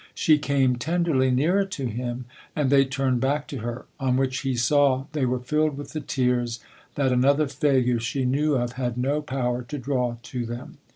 She came, tenderly, nearer to him, and they turned back to her : on which he saw they were filled with the tears that another failure she knew of had no power to draw to them.